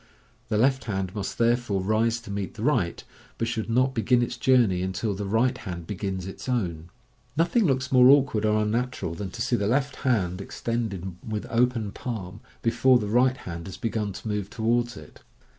The left hand must therefore rise to meet the right, but should not begin its journey until the right hand begins its own. Nothing MODERN MAGIC. 149 looks more awkward or unnatural than to see the left hand ex tended with open palm, before the right hand has begun to move towards it.